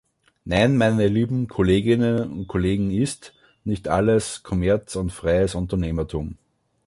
Nein, meine lieben Kolleginnen und Kollegenist nicht alles Kommerz und freies Unternehmertum.